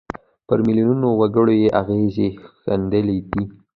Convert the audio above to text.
پر میلیونونو وګړو یې اغېز ښندلی دی.